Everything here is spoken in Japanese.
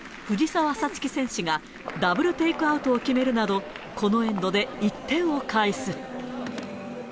藤澤五月選手がダブルテイクアウトを決めるなど、このエンドで１点を返す。